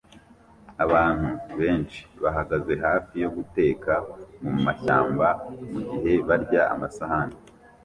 Abantu benshi bahagaze hafi yo guteka mumashyamba mugihe barya amasahani